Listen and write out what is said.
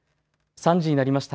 ３時になりました。